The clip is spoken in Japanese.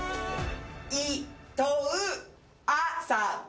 いとうあさこ。